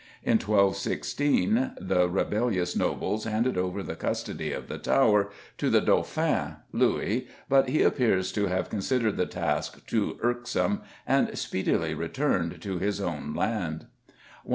In 1216 the rebellious nobles handed over the custody of the Tower to the Dauphin, Louis, but he appears to have considered the task too irksome, and "speedily returned to his own land."